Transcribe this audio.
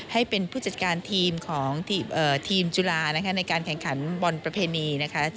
ให้เป็นผู้จัดการทีมของทีมจุฬานะคะในการแข่งขันบอลประเพณีนะคะ